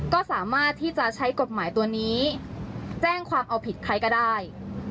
ก็สามารถที่จะใช้กฎหมายตัวนี้แจ้งความเอาผิดใครก็ได้